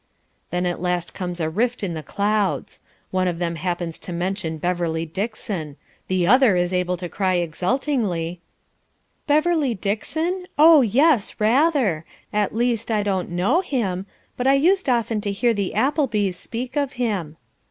Then at last comes a rift in the clouds. One of them happens to mention Beverley Dixon. The other is able to cry exultingly "Beverley Dixon? Oh, yes, rather. At least, I don't KNOW him, but I used often to hear the Applebys speak of him."